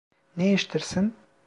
Ne istersin?